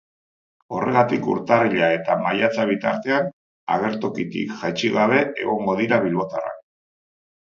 Horregatik, urtarrila eta maiatza bitartean agertokitik jaitsi gabe egongo dira bilbotarrak.